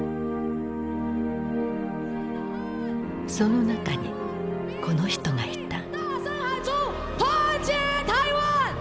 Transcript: その中にこの人がいた。